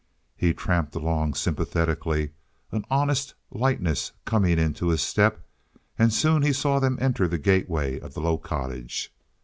He tramped along sympathetically, an honest lightness coming into his step, and soon he saw them enter the gateway of the low cottage.